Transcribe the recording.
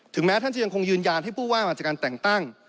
แม้ท่านจะยังคงยืนยันให้ผู้ว่ามาจากการแต่งตั้ง